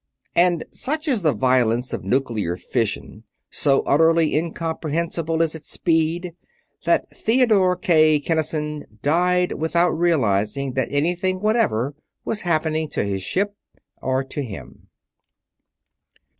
And such is the violence of nuclear fission; so utterly incomprehensible is its speed, that Theodore K. Kinnison died without realizing that anything whatever was happening to his ship or to him.